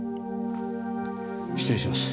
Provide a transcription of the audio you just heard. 失礼します。